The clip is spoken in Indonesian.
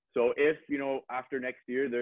jadi jika kemudian tahun depan